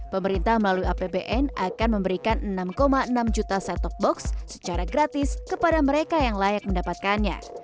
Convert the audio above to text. pemerintah melalui apbn akan memberikan enam enam juta set top box secara gratis kepada mereka yang layak mendapatkannya